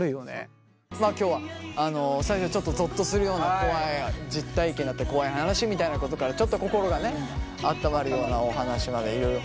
今日は最初ちょっとゾッとするような怖い実体験だったり怖い話みたいなことからちょっと心がねあったまるようなお話までいろいろ。